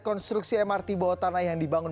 konstruksi mrt bawah tanah yang dibangun